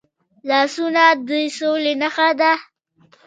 لاسونه د سولې نښه ده